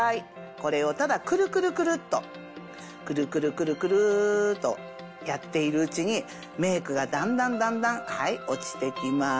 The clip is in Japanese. これをただクルクルクルっとクルクルクルクルっとやっているうちにメイクがだんだんだんだん落ちてきます。